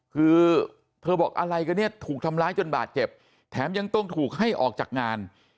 คือเธอบอกอะไรกันเนี่ยถูกทำร้ายจนบาดเจ็บแถมยังต้องถูกให้ออกจากงาน